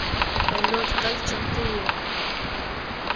پیلوټ تل چمتو وي.